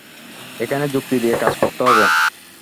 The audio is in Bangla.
এখানে যুক্তি দিয়ে কাজ করতে হবে।